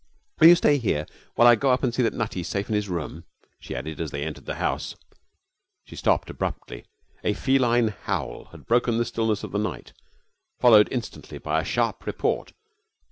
Will you stay here while I go up and see that Nutty's safe in his room?' she added as they entered the house. She stopped abruptly. A feline howl had broken the stillness of the night, followed instantly by a sharp report.